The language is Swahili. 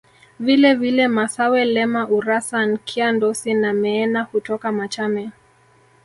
Vile vile Massawe Lema Urassa Nkya Ndosi na Meena hutoka Machame